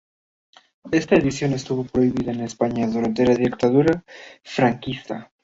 Esta edición estuvo prohibida en España durante la dictadura franquista.